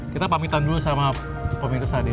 kita pamitan dulu sama pemirsa deh